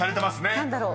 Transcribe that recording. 何だろう？